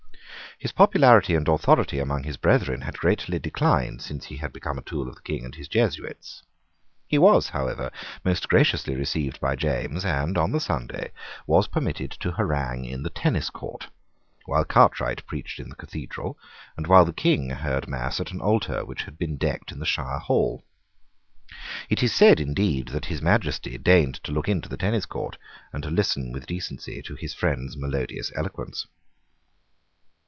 His popularity and authority among his brethren had greatly declined since he had become a tool of the King and of the Jesuits. He was, however, most graciously received by James, and, on the Sunday, was permitted to harangue in the tennis court, while Cartwright preached in the Cathedral, and while the King heard mass at an altar which had been decked in the Shire Hall. It is said, indeed, that His Majesty deigned to look into the tennis court and to listen with decency to his friend's melodious eloquence.